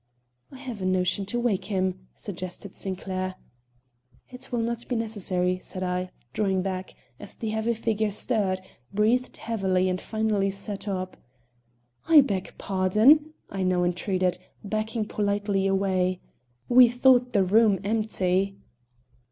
"I have a notion to wake him," suggested Sinclair. "It will not be necessary," said I, drawing back, as the heavy figure stirred, breathed heavily and finally sat up. "I beg pardon," I now entreated, backing politely away. "We thought the room empty."